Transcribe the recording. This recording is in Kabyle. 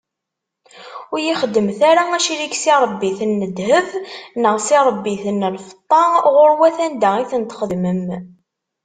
Ur iyi-xeddmet ara acrik s iṛebbiten n ddheb, neɣ s iṛebbiten n lfeṭṭa, ɣur-wat anda i ten-txeddmem.